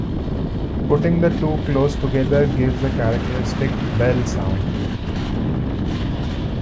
Putting the two close together gives a characteristic "bell" sound.